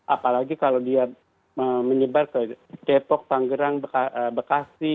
apalagi kalau dia menyebar ke depok tanggerang bekasi